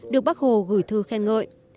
được bắc hồ gửi thư khen ngợi